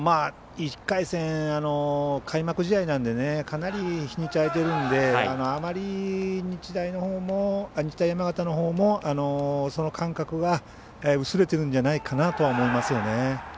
１回戦、開幕試合なのでかなり日にち空いてるのであまり日大山形のほうも、その感覚が薄れてるんじゃないかなと思いますよね。